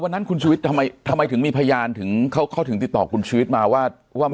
วันนั้นคุณชุวิตทำไมถึงมีพยานถึงเขาถึงติดต่อคุณชีวิตมาว่า